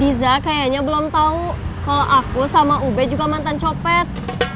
riza kayaknya belum tahu kalau aku sama ube juga mantan copet